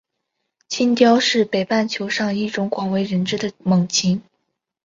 金雕是北半球上一种广为人知的猛禽。